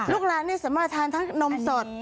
ลูกร้านสามารถทานทั้งนมสด